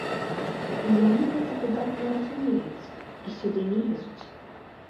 І яны гэта выдатна разумеюць і сюды не лезуць.